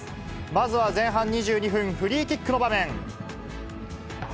まずは前半２２分、フリーキックの場面。